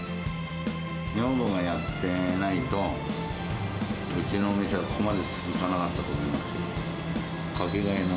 女房がやってないと、うちの店はここまで続かなかったと思いますよ。